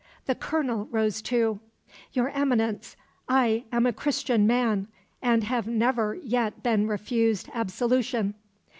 The colonel rose too. "Your Eminence, I am a Christian man, and have never yet been refused absolution."